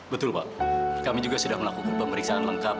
betul pak kami juga sudah melakukan pemeriksaan lengkap